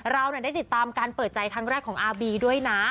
เราได้ติดตามการเปิดใจครั้งแรกของอาร์บีด้วยนะ